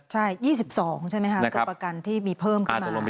ใช่๒๒ใช่ไหมคะตัวประกันที่มีเพิ่มขึ้นมา